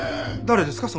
誰ですか？